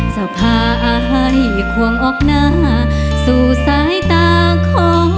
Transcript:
จะพาอ้ายควงออกหน้าสู่สายตาของเธอ